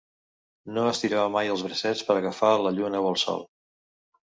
No estirava mai els bracets per agafar la lluna o el sol.